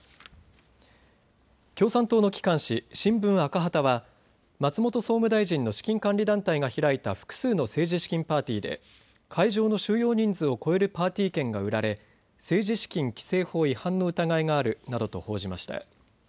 共産党の機関紙、しんぶん赤旗は松本総務大臣の資金管理団体が開いた複数の政治資金パーティーで会場の収容人数を超えるパーティー券が売られ政治資金規正法違反の疑いがあるなどと報じました。